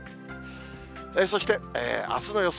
そして、あすの予想